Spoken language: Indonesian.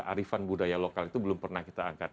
arifan budaya lokal itu belum pernah kita angkat